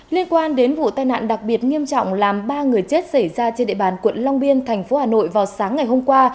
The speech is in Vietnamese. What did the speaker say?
liên quan đến vụ tai nạn đặc biệt nghiêm trọng làm ba người chết xảy ra trên địa bàn quận long biên thành phố hà nội vào sáng ngày hôm qua